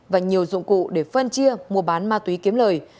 và nhiều dụng cụ để phân chia mua bán ma túy kiếm lời